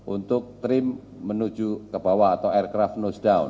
untuk trim menuju ke bawah atau aircraft nose down